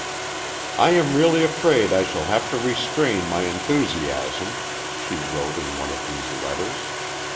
"I am really afraid I shall have to restrain my enthusiasm," she wrote in one of these letters.